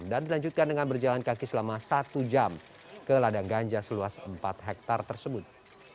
dan dilanjutkan dengan berjalan kaki selama satu jam ke ladang ganja seluas empat hektare tersebut